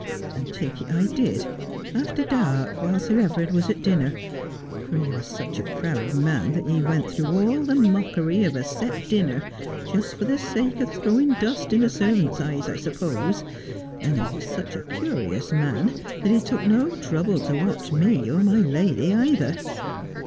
And take it I did, after dark, while Sir Everard was at dinner ; for he was such a proud man that he went through all the mockery of a set dinner, just for the sake of throwing dust in the servants' eyes, I suppose ; and he was such a curious man that he took no trouble to watch me, or my lady either.